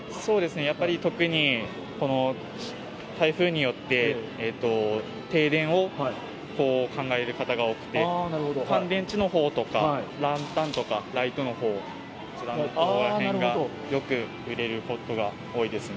やっぱり特に、台風によって停電を考える方が多くて、乾電池のほうとか、ランタンとかライトのほう、こちらの、ここらへんがよく売れることが多いですね。